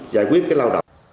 giải quyết cái lao động